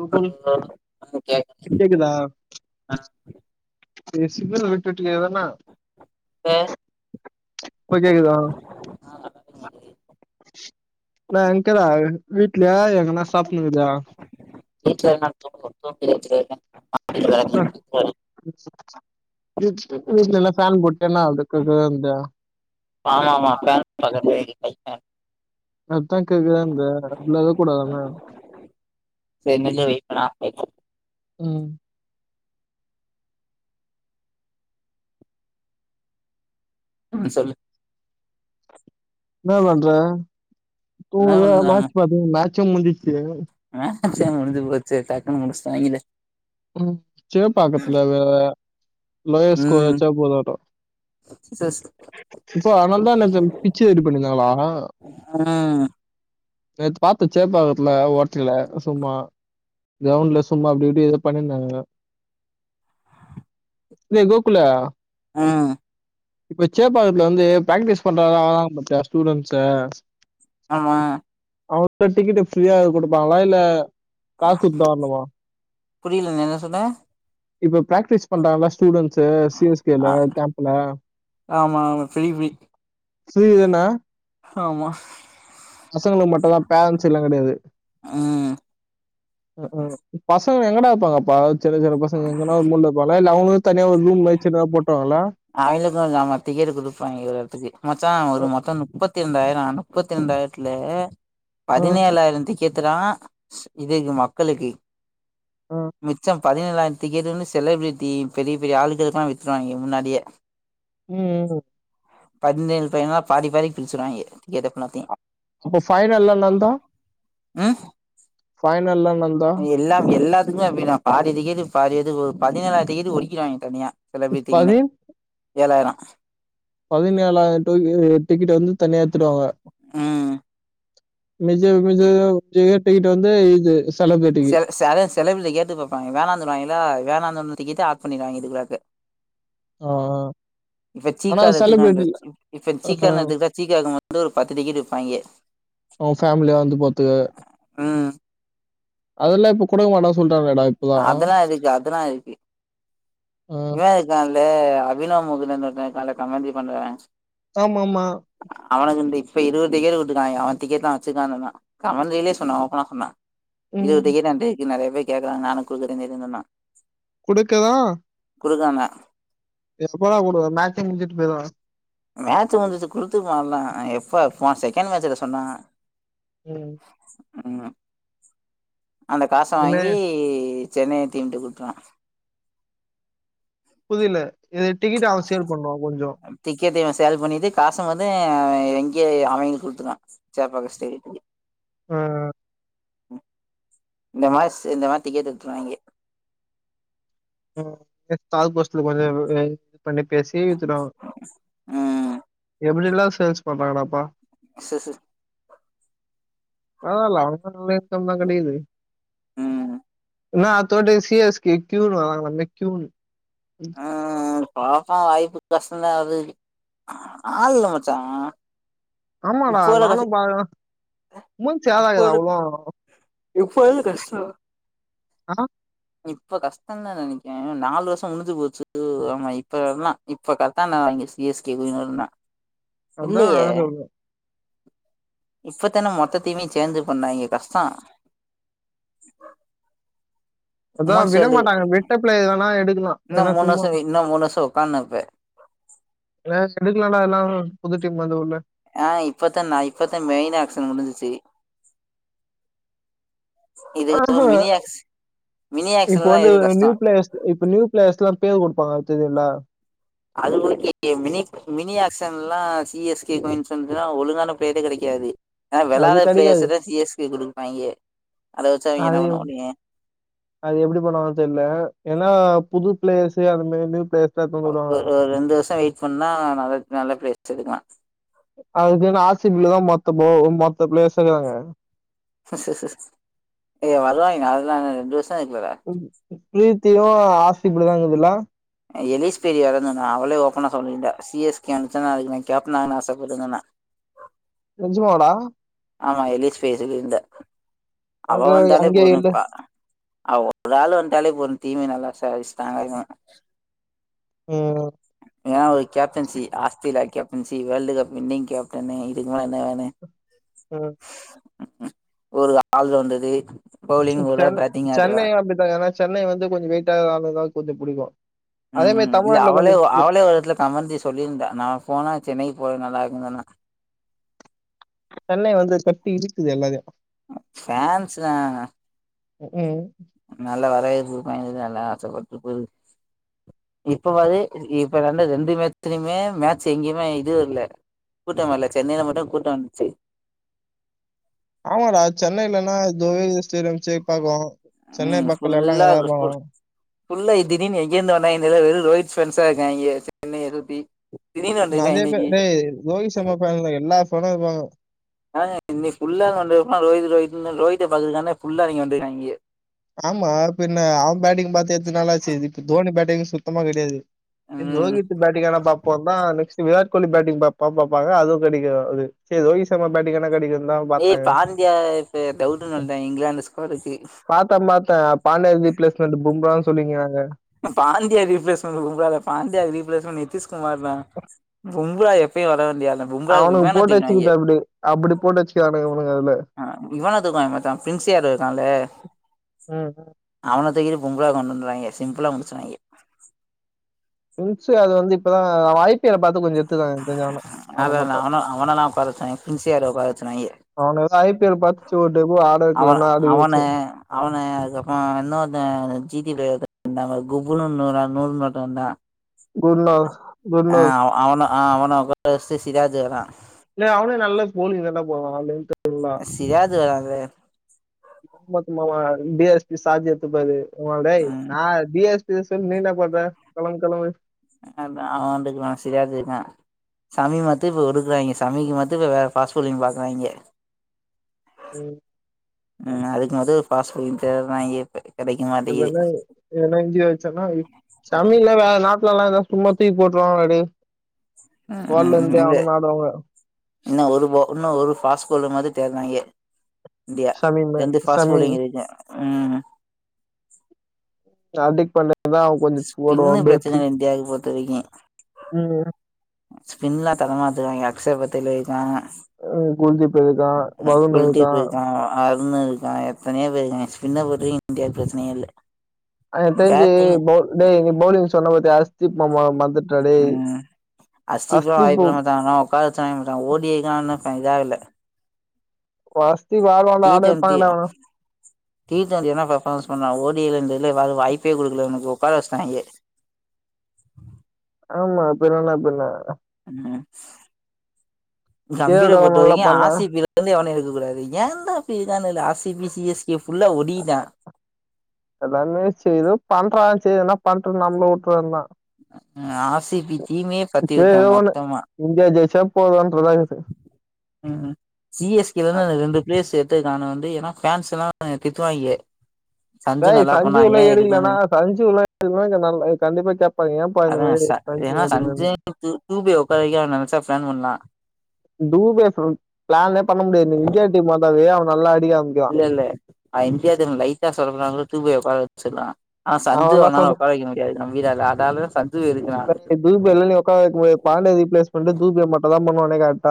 Google ஓ okay அ பேசிகளா ட்டுகே தன இப்ப கேக்குதா நான் என கேடா வீட்லயா எங்கன்னா சாப்பிடணல்லையா [unintelligible] [unintelligible] [unintelligible] நல்ல ஃபேன் போட்டு கே நாலத்துக்குக்குந்தா ஆமா ஆமா ப [unintelligible] அ அதுதான் கேக்குதாந்த அதுலத கூடாதாமே சரி நில்லு வெயிட் பண்ண ஆஃப் ஆயிட்டு உம் ஆ சொல்லு என்ன பண்ற என்ன துங்கள மேட்ச் பாத்தியா மேட்ச் எக்ஸாம் முடிச்சுருச்சு மாக்ஸ் எக்ஸாம் முடிஞ்சு போச்சு டக்குன்னு முடிச்சுடாங்கல உம் செம்பாக்கத்தில வேல லோய ஸ்கோர் ம் வச்சா போதட்டும் சிஸ் இப்போ அதனால தான் என்ன பிச்சு எடி பண்ணிருந்தாங்களா ம் நேத்து பாத்தேன் சேப்பாக்கத்துல ஓட்டல சும்மா கிரவுண்ட்ல சும்மா அப்படி இப்படி பண்ணியிருந்தாங்க ஏய் கோகுலா ஆ இப்ப சேப்பாகதுல வந்து பிராக்டிஸ் பண்றங்களானு பாத்தியா ஸ்டூடெண்ட்ஸ்ஸு ஆமா அவங்க டிக்கெட்டு் ஃப்ரீயா கொடுப்பாங்களா இல்ல காசு இருந்தாலமா புரியல நீ என்ன சொன்ன இப்ப பிராக்டிஸ் பண்றாங்கள ஸ்டூடண்ட்ஸ் இது சி எஸ் கே ல ஆ கேம்ப்ல ஆமா ஆமா ஃப்ரீ ஃப்ரீ சி இதுன்னா ஆமா பசங்களுக்கு மட்டும் தான் பேரன்ஸ் எல்லா கிடையாது ம் க்கு கு ப சோ எங்கடா இருப்பாங்கா பாத் சின்ன சின்ன பசங்க எங்கனா உண்டுல வைபங்களா இல்ல அவங்களே தனியா ஒரு ரூம்ல வச்சு ஏதாவது போட்டாங்களா அவளுக்கும் ந மத்தி டிக்கெட்டு கொடுப்பாங்க இருக்குறதுக்கு மச்சா அவரு அஹ் மொத்தம் முப்பத் முப்பத்தி ரெண்டாயிரம் முப்பத்தி ரெண்டாயிரத்துல அஹ் பதினேழாயிரத்தி கேக்குதா இது என் மக்களுக்கு அஹ் மச்சா பதினேழாயிரம் டிக்கெட்டுன்னு செலபிரிட்டி பெரிய பெரிய ஆளுங்களுக்கெல்லாம் வித்துருவாங்க முன்னாடியே ம் பதினேழு பதனேழாய் பாதி பாதி பிரிச்சுருவாங்க எதப்பத்தி அப்ப ஃபைனல்லலெல்லாம் ஆ ஃபைன் அது எல்லாம் எல்லா இதுக்கெல்லா அப்பிடிதா பாதி டிக்கெட்டு பாதிபேத்துக்கு ஒரு பதினேழாயிரம் டிக்கெட்டு ஒடிக்கிருவாங்க தனியா செலபிரித்திகளே ஏழாயிரம் பதினேழாயிரத்துக்கு டிக்கெட் வந்து தனியா எடுத்துருவாங்க. ம் [unintelligible] கேட்டுகிட்ட வந்து இதெஸ் செ செல செலபலகேட்டு பாப்பாங்க வேணாந்துருவாங்களா வேணாந் நம்ள்ட்ட கேட்டு ஆப் பண்ணிருவாய்ங்க திருழாக்கு ஆ இப்ப ஆனா சீக்காவ செலிபிரிட்டி எத்துட்டுவன்ட்டு இப்ப அ சீக்கானு எட்த்துகிட்டா சீக்காக்கு வந்து ஒரு பத்து டிக்கெட்டு் விப்பாய்ங்க அவங்க ஃபேமிலியா வந்து ம் அதெல்லா இப்ப குடுக்க மாட்டா அதெல்லா இருக்கு அதுனா இருக்கு ஆ. இவே இருக்கால் ல அபிநாவ் முகுந்தன் இருக்கால கமென்ட்ரி பண்றவே ஆமமா இப்ப இருவது டிக்கெட் உட்ருக்காய்ங்க அவே டிக்கெட்லா வச்சுருக்கான் சொன்னா கமென்ட்ரிலயே சொன்னா ஓப்பனா சொன்னா ம். இருவது டிக்கெட் [unintelligible] நெறைய பேர் கேக்கறாங்க நானும் குடுக்கறேனு தா சொன்னா குடுக்கவா குடுக்காங்க [unintelligible] மேட்ச்சே முடிஞ்சிட்டு போய்ருவாங்க மேட்ச் வந்துச்சு குடுத்துக்கலான்னாங்க எப்ப போன செகண்ட் மேட்ச்ல சொன்னாங்க ம் ம் அந்த காச இனிமே வாங்கி சென்னைய தீமிட்டு குடுத்தா புதில இத டிக்கெட்ட அவ ஃசேல் பண்ணனு [unintelligible] திக் முக்கியத்த இவெ சேல் பண்ணிட்டு காச வந்து எங்கேயே அவைங்களுக் குடுத்துருவா சேப்பாக்க ஸ்டேடியத்துக்கு ஆ அ ம் இந்த மாஸ் இந்த வார்த்தைக்கே [unintelligible] ஹம் கெக் தால் போஸ்ட்ல [unintelligible] பண்ணி பேசி வித்துருவாங் ம் எப்டி எல்லா சேல்ஸ் பண்றாங்கா டாப்பா செர் செ பரவால அவனுகாது நல்ல இன்கம்தா கெடைகுது ம் இல்லனா அடுத்த வாட்டி சி எஸ் கே க்கியூ வந்த க்யூன் ஆ பாப்போ வாய்ப்பு கஷ்டந்தா அது ஆள் இல்ல மச்சா ஆமாடா இப்போ இல்ல நானு கஷ் பாக்ர முன் இப்போ சேதாகுதா இல்ல அவ்ளோ இப்போ [unintelligible] கஷ்டோ ஆ இப்ப கஷ்டந்தா நெனக்கே எனா நாலு வருஷோ முடிஞ்சு போச்சு ஆமா இப்ப எல்லா இப்ப கரெக்டான நேரோ அங்க சி எஸ் கே [unintelligible] அதா [unintelligible] இப்பத்தான மொத்தத்தையமையுமே சேந்து பண்ணாங்க கஷ்டோ அதா உமன்ஸ் விட வேல்டு மாட்டாங்க விட்ட பிளேயரெல்லா எடுத் க்கலா இன்னு ஏன்ன மூணு சும்மா வருஷோ இன்னு மூணு வருஷோ உக்காந்தே இப்ப ஏ எடுக்கலான்டா எல்லாவு புது டீம் வந்து உல்ல ஆ இப்பத்தா நா இப்பத்தா மெயின் ஆக்சின் முடுஞ்சுச்சு ஆ ஹு மினி இப்ப ஆக்ஷன்லா வந்து எது கஷ்டோ நியூ ஃப்ளேயஸ் இப்ப நியூ ஃப்ளேயஸ்ல்லா பேர் குடுப்பாங்க அது தெரியுல்ல அது ஓகே மினி மினி ஆக்க்ஷன்ல்லா சி எஸ் கே கெயின்சென்ல்லா ஒழுங்கான பிளேயரே கெடக்காது அது கெடக்காது குடுப்பாய்ங்க அத வச்சு அவிங்க என்ன அது பண்ண எப் முடியு அது எப்டி பண்ணுவாங்க தெர்ல ஏன்னா புது ஃப்ளேயர்சு அது மாரி நியூ பிளேஸ் ஒ ஒரு ஒருஸ ஒரு ரெண்டு வருஷோ வெயிட் பண்ணா நல்ல நல்ல பேளேயஸ் எடுக்கலா அதுக்குன்னு ஆர் சி பி லதா மொத்த போ மொத் [unintelligible] ஏ வருவாங்க அதுதாங்க ரெண்டு வருஷ பிளீத்தியு ஆ ப்டிதாங்கதுல்லா எலிஸ் பெரிய வரன்னண்ணா அவளே ஓபனா சொல்லிருந்தா சி எஸ் கே அனுப்ச்சா அதுக்கு நா கேப்டன ஆகனுன் ஆசைப்படுறேண்ணா நெஞ்சுமா டா ஆமா எலிஸ் பே சொல்லியிருந்த அவ அங்க வந்தாலே அங்கே இல்ல போதும்ப்பா அவ ஒரு ஆள் வந்தாலே போது தீமே நல்லா கைஸ் தலைவன் உஹம் captaincy Australia captaincy world cup winning captain இதுக்கு மேல என்ன வேணு உம் ஒரு ஆள் ரவுண்டரு சென் சென்னை வந்துடாகன்னா சென்னை வந்து கொஞ்ச வெயிட்டான ஆளதா கொஞ்சோ புடிக்கும் உம் உம் இல்ல அவளே அவளே ஒரு இடத்துல கமண்டிரி சொல்லியிருந்தா நா போனா சென்னைக்கு போற நல்லா ருக்குன் சொன்னா சென்னை வந்து கட்டி இளுக்குது எல்லாரையு ஃபேன்ஸ்லா உம் நல்லா வரவேர்ப் [unintelligible] ஆச பட்டு போது இப்ப வாது இப்ப ரெண்டு மேட்சலயுமே மேச்சு எங்கேயுமே இது இல்ல கூட்டம் வல்ல சென்னையில மட்டு கூட்டம் வந்துச்சு ஆமாடா சென்னைலன்னா இதோவெ ஸ்டேடியம் சேப்பாக்கம் சென்னை மக்களெ ல்லா அங்கதா ருப்பாகோ ஃபுல்ல திடீர்னு எங்கே ருந்து வந்தாகன் தெரில வெரு ரோஹித் பெண்ட்ஸா இருக்காங்கே சென்னை எழுத்தி அதே பேர் டே ரோஹித் சர்மா ஃபென் எல்லா படோங்வகோ ஆஹ் இன்னைக்கு புள்ளா வந்து புற ரோஹித் ரோஹித் னு தான் ரோஹித் ஆஹ் பாக்குறதுக்கே புள்ளா இவிங்க வந்திருக்காங்க ஆமா பின்ன அவன் பேட்டிங் பாத்து எத்தன நாலாச்சு இப்ப தோனி பேட்டிங் சுத்தமா கிடையாது இப்போ ம் ரோஹித் பேட்டிங் ஆனா அப்ரோ தான் நெஸ்ட் விராட் கோலி பேட்டிங் பாப் பாப்பாங்க அவும் கிடைகாது ஆனா ரோஹித் சர்மா பேட்டிங் ஆனா கிடை ஏய் பாண்டியா இப்ப டவுட்னு வந்துட்டான் இங்கிலாந்து ஸ்கோர் கு பாத்தன் பாத்தன் பாண்டியாகு ரிப்லேஸ்மன்டு பும்பானு சொல்லிக்கிறாங்க பாண்டியா ரிபிளேஸ்மெண்ட் பும்ரா இல்ல பாண்டியா ரிபிளேஸ்மெண்ட் நிதிஷ் குமார் தா கும்புரா எப்பயும் வர வேண்டிய ஆளு பும்ரா அவனுக்கு இவன போட்டு வச்சிக்கது அப்டி அப்டி போட்டு வச்சுக்கனுறானுங்க ஆஹ் இவான தூக்கலா மட்ட பிரின்ஸ்யா இருக்கான்ல ம் அவன தூக்கிரு பும்ரா கொண்டு வந்திருவாய்ங்க சிம்பிளா முடிச்சுருவாய்ங்க விங்ஸ் அது வந்து இப்பதான் ஐ பி எல் அ பாத்து கொஞ்சோ அததான் அவன அவனதா உக்காரவச்சாய்ங பிரின்சியார உக்காரவச்சுனாய்ங்க அவனை ஏதோ ஐபிஎல் பார்த்து ஒரு டெபு ஆட அவன் வைக்கலன்னா ஆடி அவனு வச்சு அவனு அதுக்கப்றம் இன்னொருத்தன் ஜி டி பிளேயர் நம்ம குப்புனு வுன்னோரு நூல் மேட்டு வந்தா குட்னோ குட்னோ ஆஹ் அவனு அவன உக்கார வச்சுட்டு சிராஜு வரா இல்லை அவனே நல்ல கோளி தான்டா போடுவா ஆளு சிராஜு வரா து சும்மா சும்மா வா டி எஸ் பி சார்ஜ் எத்துப்பாரு போடா டேய் ம் நான் டி எஸ் டி எஸ் என் நீ என்னா பண்ற கெளம்பு கெளம்பு அதா அவன் நின்டுகுறுவா சிராஜ் இருக்கான் சமீமு அத்திபு இருக்குறாய்க சமீக்கு மட்டு இப்ப வேற பாஸ்ட் பவுலிங் பாக்குறாய்க உம் உம் அதுக்கு அது பாஸ்ட் பவுலிங் தேட்றாய்ங்க என்னனாய் என்ன இன்ஜிய வச்சேன்ன சமீக்கலா வேற நா லா சும்மா தூக்கி போட்ருவாங்க டா டேய் போன்லந்தே அவுனுகளும் ஆடுவாங்க இன்னும் ஒரு போ இன்னும் ஒரு பாஸ் பவுலிங் மாரி தேட்றாய்ங்க இந்தியா ஷமீமு ரெண்டு பாஸ்ட் ஷமீம் பவுளிங் இருக்கு ம் ஹார்டிக் பாண்டே பின்னு பிரச்சன இந்தியாவுக்கு பொறுத்தவரைக்கும் ம் ஸ்பின்லா தரமாத்துறாய்க அக்சர் பத்திலே இருக்கா உ குல்தீப் இருக்கான் வருண் இருக்கான் வருண் இருக்கான் எத்தனையோ பேரு இருக்காங்க ஸ்பின்ன பொறுத்தவரைக்கும் இந்தியாவுக்கு பிரச்சனயே இல்ல அ எனக்கு தெரிஞ்சு பேட்டிங் போல் டேய் நீ பௌலிங் சொன்ன பாத்தியா அரஸ் ம் அஸ்திபா அஸ்தீப்பு வாய்ப்பில்ல மச்சா அவனலா உக்கார வச்சாங்க மச்சா ஓடிருக்கானு [unintelligible] இதாகல குவாஸ் டி டுவெண்டி டி டுவெண்டி வேனா பர்பாமன்ஸ் பண்ணலா ஒர் [unintelligible] எதாவது வாய்ப்பே குடுக்கல இவனுக்கு உக்கார வச்டாய்ங்க ஆமா பின்னனா பின்ன ம் கே கம்பீர எல் ராகுல் நல்லா பொறுத்தவரைக்கு வரைக்கும் பண்ணா ஆர் சி பில இருந்து எவனு கூடாது ஏன் தா இப்டி இகானுல ஆ C B C S K ஃபுல்லா ஒடியிட்டா எல்லாமே செய்து பண்றா சேர் என்னா பண்ட்டு நம்ளு உட்றவேன்தா ஆசிபி தீமே பத்திவுத்தா மொத்தமா சேப்போதம் ம் ம் சி எஸ் கேலனா ரெண்டு ப்ளேயர் சே துக்கான வந்து ஏன்னா ஃபேன்ஸுல்லா தித்துவாய்ங்க டேய் சஞ்சுலா எடுக்கலனா சஞ்சுலா எடுக்கலனா இங்க நல் கண்டிப்பா கேப்பாய்ங்க அதா ச ஏனா சஞ்சய் தூ தூபில ஒக்கார வைக்க நெனைச்சா ஃபேன் பண் நா டூ ப்ளஸ் ஒன் ப்ளான பண்ண முடியாது இந்தியா டீம் வந்தாவே நல்லா அடிக்க ஆரம்பிக்கிறான் இல்ல இல்ல ஆ இன்கேஸ் லைட்டா சொதப்பறாங்க [unintelligible] செல்லா அவல்லா சொத வீடால அதால சஞ்சு எதுக்குனா தீபல்லா என்ன ஒக்கார வைக்க முடியாது பாண்டிய ரீப்பேளஸ் பண்ணிட்டு தீபே மட்டுதா பண்ணுவாங்க நடக்காது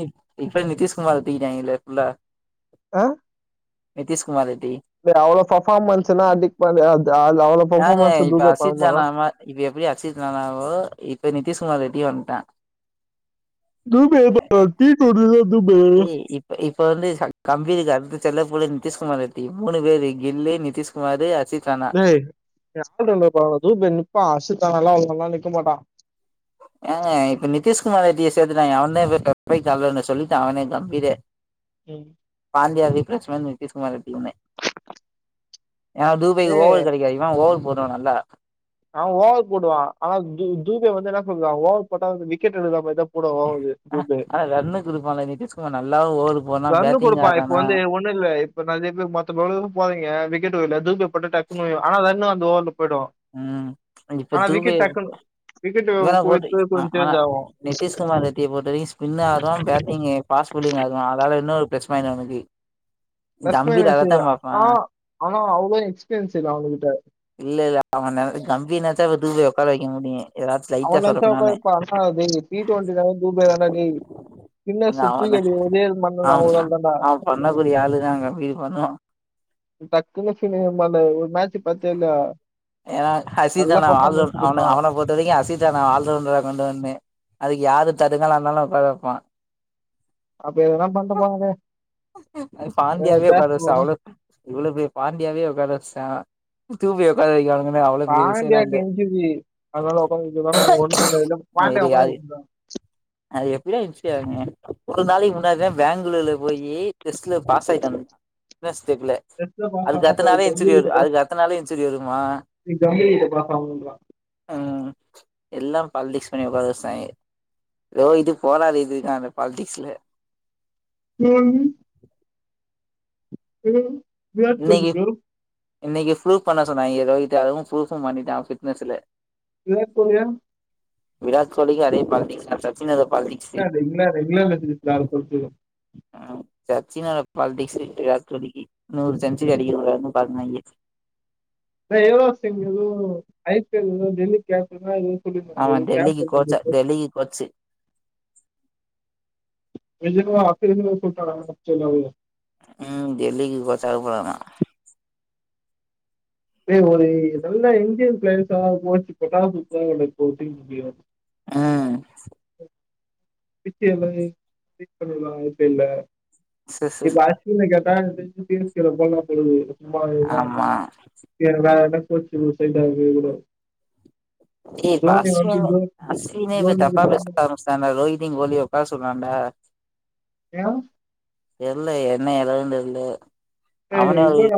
இ இப்ப நித்திஷ் குமார் தூக்கிட்டாயிங்கலே ஃபுல்லா நிதிஷ் குமார் ரெட்டி அவ்ளோ பெர்ஃபார்மன்ஸ்னா அது இப்ப அது அவ்வளோ ஆங்க பர்ஃபார்மன்ஸ் இப்ப தூபே அசித் பண்ண மாட்டான் ஜானாமா இப்ப எப்பிடி அசித் ஜனாவோ இப்ப நிதிஷ்குமார் ரெட்டி வந்துட்டன் [unintelligible] ஏ இப்ப இப்ப வந்து கம்பி அறுந்து சொன்னதே புரிஞ்சுச்சு மூணு பேர் கில்லி நிதிஷ்குமார் ரட்டி அசித் ரானா லேய், ஏ ஆள் ரவுண்டர பாருடா துபே நிப்பா ஆசிப் தா நல்லா விளாட்லனா நிக்க மாட்டா ஆ, இப்ப நிதிஷ்குமார் ரெட்டிய சேத்துட்டாய்ங்க அவந்த இப்ப லெப்ட் ரைட் ஆல் ரவுண்டர் சொல்லிட்டா அவனே கம்பீரே ம் பாண்டியா ரிப்ளைஸ்மெண்ட் நிதீஷ்குமார் ரெட்டினு யான்னா துபேக்கு ஓவர் கெடைக்காது இவ ஓவர் போடுவா நல்லா அவ ஓவர் போடுவா ஆனா து துபே வந்து என்ன உனக்கு அவ ஓவர் போட்டா விக்கெட் விழுற மாரிதா ஆனா ரஹ்மத் குடுப்பால நித்திஷ் குமார் நல்லா ஓ ரன்னு குடுப்பா இப்ப வந்து ஒன்னு இல்ல இப்ப நெறைய பேர் மத்த போட்டிகளுக்குலா போறாய்ங்க விக்கெட்டு வர்ல தூபே போட்டா டக்குனு வையு ஆனா ரன்னு வந் [unintelligible] ம் இப்ப தூவேவ் டக்குன்னு விக்கெட் இவன போட்டு குறித்து அ கொஞ்சம் ஆ சேஞ்ச் ஆகும் நித்திஷ் குமார் ரெட்டிய போட்டதியு ஸ்பின் ஆட்றா பேட்டிங்கு பாஸ் புல்லிங் அது அதனால இன்னொரு ப்ளஸ் பாயிண்ட் அவுனுக்கு ஃபர்ஸ்ட்டு [unintelligible] ஆமா ஆனா அவ்ளோ எக்ஸ்பீரியன்ஸ் இல்ல அவங்க கிட்ட நமக்கு கம்பி நாதா [unintelligible] ஒக்கார வெய்க்க முடியு ஏதாச்சு லைட்டா அவன் சொதப்புனானு நெனைச்சாலும் [unintelligible] டீ டுவெண்ட்டினால தூபே தான் டா டேய் ஸ்பின்னர்ஸ் சுத்தி [unintelligible] அவன அவ அவ பண்ணக்கூடிய ஆளுதா கம்பீர் பண்ணுவா டக்குனு [unintelligible] பாத்தேன்னா ஏன்னா ஹர்ஷித் தானா [unintelligible] அவ்ன கொடுத்தான் அவன பொறுத்தவரைக்கி ஹர்ஷித் [unintelligible] கொண்டு வந்தேன் அதுக்கு யாரு தடுகலா இருந்தாலும் உக்கார வெப்பா அப்ப என்னதா பண்ட்டு போங்க அது பாண்டியாவே உட்கார வச்ட்டா அவ் இவ்ளோ பெரிய பார்டியாவே உக்கார வச் ஆ தூபே ஒக்காரவைக் பாண்டியாக்கு இன்ஜீரி அதனால உக்கார வைக்க [unintelligible] பாண்டியா இது ஒக்கார அது வைக்க அது எப்டி இருந்துச்சர்னே ஒரு நாளைக் முன்னாடி தா பேங்களூர்ல போயி டெஸ்ட்ல பாஸ் ஆயிட்டாங்க தெர்ல டெஸ்ட்ல பாஸ் அதுக்கு ஆனா அடுத்த போய் நாளே இன்சூரி கம்பி வரு கிட்ட பாஸ் அதுக்கு அடுத்த நாளே இஞ்சூரி வருமா நீ கம்பி கிட்ட பாஸ் ஆகணும்ன்றான் ம்ம் எல்லா பாலிடிக்ஸ் பண்ணி ஒக்கார வச்சுட்டாய்ங்க எதோ இது போதாது இது தா பாலிடிக்ஸ்ல [inaudible] ம் [unintelligible] இன்னிக்கு ப்ரூப் பண்ண சொன்னாய்ங்க எதோ கிட்ட அதுவு ப்ரூப்பூ பண்ணீட்டாங்க ஃபிட்னஸ்லே விராட் கோலியா எல்லா கோலிக்கு அதே பால்டிக்ஸ் தா சச்சின் எதோ இன்னாது இன்னாது இன்னாது [unintelligible] சாச்சினோட பால்ட்டிக்ஸ்ஸு விராட் கோலிக்கு நூறு செஞ்சுரி [unintelligible] தா எதோ சிங் எதோ ஐ பி எல் எதோ டெல்லி கேப்டன்னா எதோ அவ டெல்லிக்கு கோச்சா டெல்லிக்கு கோச்சு [unintelligible] ம் டெல்லிக்கு கொச் ஆக போறாரா இப்டே ஒரு நல்ல இந்தியன் பிளேயர்ஸ்ஸா கோச் இப்ப தா [unintelligible] அ [unintelligible] இல்ல [unintelligible] தா எனக்கு தெரிஞ்சு சி எஸ் கே ல போட்லா போலருக்குது சுமமா இருடா ஆமா எனக்கு வேற என்ன போச்சு ஒரு சைடா இங்க கூட டேய் இப்ப தோனி வந்து அஸ்வினு தோ- அஸ்வினே இப்ப தோனி தப்பா வந்து பேச ஆரம்பிச்சுட்டாண்டா ரோஹித் நீங் கோலிய உக்காரா சொல்றாண்டா ஏன் தெர்லயே என்ன எழவுனு தெர்ல ஹே அவனே ஒரு இவனா